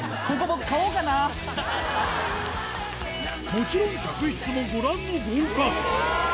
もちろん客室もご覧の豪華さ